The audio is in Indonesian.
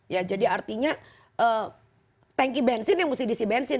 ya jadi artinya tanki bensin yang mesti diisi bensin